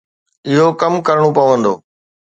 اهو ڪم ڪرڻو پوندو.